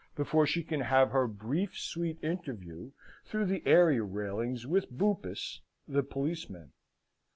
before she can have her brief sweet interview through the area railings with Boopis, the policeman.